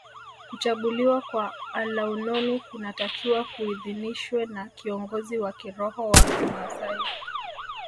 Kuchaguliwa kwa alaunoni kunatakiwa kuidhinishwe na kiongozi wa kiroho wa kimaasai